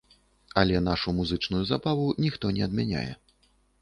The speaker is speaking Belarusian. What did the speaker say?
Але нашу музычную забаву ніхто не адмяняе.